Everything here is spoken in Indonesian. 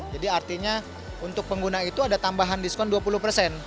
jadi artinya untuk pengguna itu ada tambahan diskon dua puluh persen